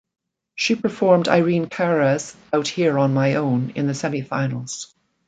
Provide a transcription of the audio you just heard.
She performed Irene Cara's "Out Here On My Own" in the semi-finals.